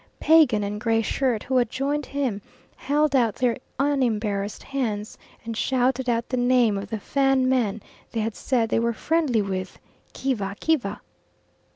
Pagan and Gray Shirt, who had joined him, held out their unembarrassed hands, and shouted out the name of the Fan man they had said they were friendly with: "Kiva Kiva."